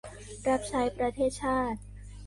รับใช้ประเทศชาติ